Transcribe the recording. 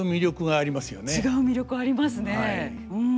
違う魅力ありますねうん。